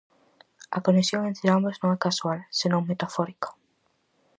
A conexión entre ambas non é causal, senón metafórica.